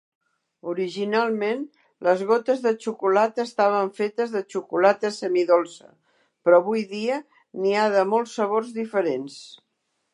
Originalment, les gotes de xocolata estaven fetes de xocolata semi-dolça, però avui dia n'hi ha de molts sabors diferents.